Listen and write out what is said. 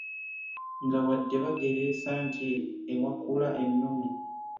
Nga wadde bagereesa nti ewakula enumme.